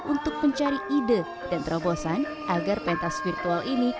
untuk mencari ide dan terobosan agar pentas virtual ini